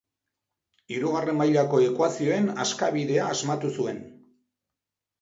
Hirugarren mailako ekuazioen askabidea asmatu zuen.